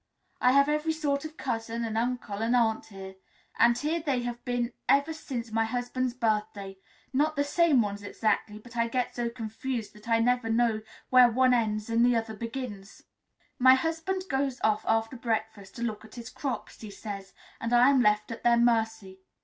I have every sort of cousin and uncle and aunt here, and here they have been ever since my husband's birthday not the same ones exactly, but I get so confused that I never know where one ends and the other begins. My husband goes off after breakfast to look at his crops, he says, and I am left at their mercy.